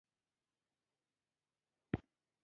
د سوات واکمن خپله لور بابر ته ورکړه،